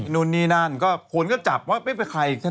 รุ๊นอีกคนนั้นก็มีข่าว